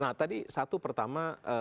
nah tadi satu pertama